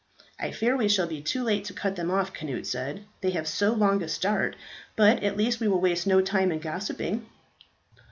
"I fear we shall be too late to cut them off," Cnut said, "they have so long a start; but at least we will waste no time in gossiping."